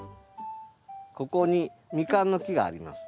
ここにミカンの木があります。